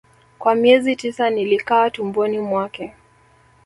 Kwa miezi tisa nilikaa tumboni mwake